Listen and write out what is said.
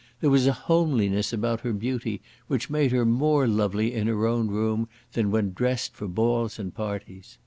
There was a homeliness about her beauty which made her more lovely in her own room than when dressed for balls and parties.